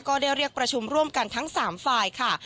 ก็ได้เรียกประชุมร่วมกันทั้ง๓ฝ่ายค่ะ